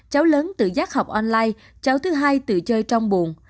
cháu lớn tự giác học online cháu thứ hai tự chơi trong buồn